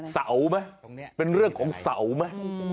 เสาไหมเป็นเรื่องของเสาไหม